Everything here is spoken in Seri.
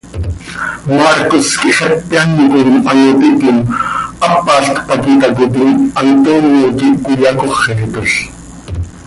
Marcos quih xepe án com ano tiihtim, hápalc pac itácotim, Antonio quih cöiyacóxetol.